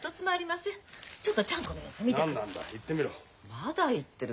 まだ言ってる。